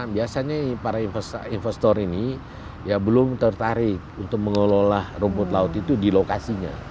biasanya para investor ini belum tertarik untuk mengelola rumput laut itu di lokasinya